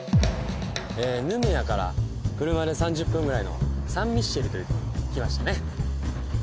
ヌメアから車で３０分ぐらいのサン・ミッシェルというとこに来ましたね